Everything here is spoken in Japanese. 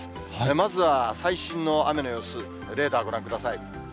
まずは最新の雨の様子、レーダーご覧ください。